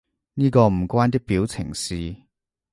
呢個唔關啲表情事